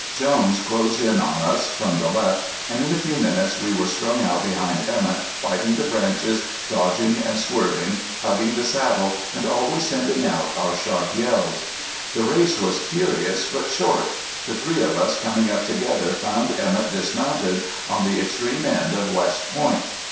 Jones closed in on us from the left, and in a few minutes we were strung out behind Emett, fighting the branches, dodging and swerving, hugging the saddle, and always sending out our sharp yells. The race was furious but short. The three of us coming up together found Emett dismounted on the extreme end of West Point.